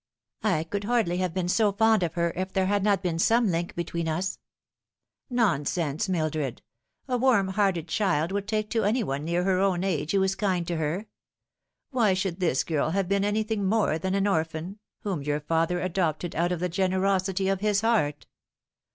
I could hardly have been so fond of her if there had not been some link between us." " Nonsense, Mildred ! A warm hearted child will take to any one near her own age who is kind to her. Why should this girl have been anything more than an orphan, whom your father adopted out of the generosity of his heart